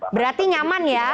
berarti nyaman ya